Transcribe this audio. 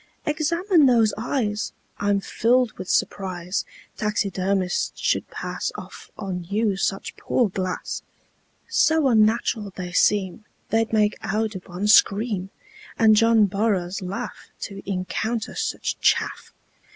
"Examine those eyes. I'm filled with surprise Taxidermists should pass Off on you such poor glass; So unnatural they seem They'd make Audubon scream, And John Burroughs laugh To encounter such chaff.